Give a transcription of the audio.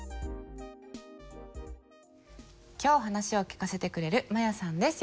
今日話を聞かせてくれるマヤさんです。